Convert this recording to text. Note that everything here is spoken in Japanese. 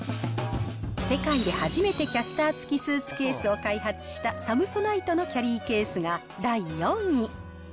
世界で初めてキャスター付きスーツケースを開発したサムソナイトのキャリーケースが第４位。